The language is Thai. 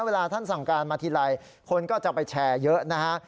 เวลาท่านสั่งการมาทีไรคนก็จะไปแชร์เยอะนะฮะ